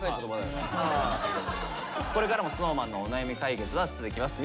これからもＳｎｏｗＭａｎのお悩み解決は続きます。